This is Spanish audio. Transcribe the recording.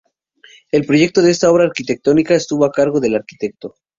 El proyecto de esta obra arquitectónica estuvo a cargo del Arq.